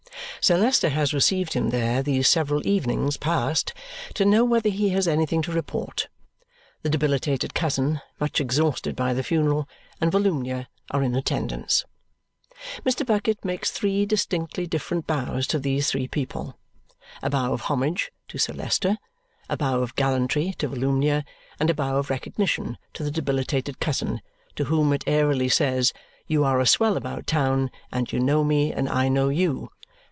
Sir Leicester has received him there these several evenings past to know whether he has anything to report. The debilitated cousin (much exhausted by the funeral) and Volumnia are in attendance. Mr. Bucket makes three distinctly different bows to these three people. A bow of homage to Sir Leicester, a bow of gallantry to Volumnia, and a bow of recognition to the debilitated Cousin, to whom it airily says, "You are a swell about town, and you know me, and I know you."